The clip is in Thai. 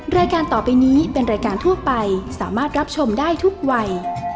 รายการต่อไปนี้เป็นรายการทั่วไปสามารถรับชมได้ทุกวัย